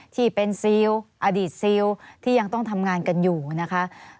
ที่เป็นซิลอดีตซิลที่ยังต้องทำงานกันอยู่นะคะ